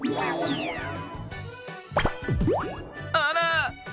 あら！